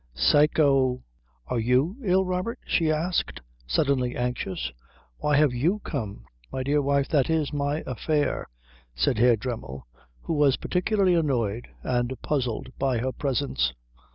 "Psycho ?" "Are you ill, Robert?" she asked, suddenly anxious. "Why have you come?" "My dear wife, that is my affair," said Herr Dremmel, who was particularly annoyed and puzzled by her presence.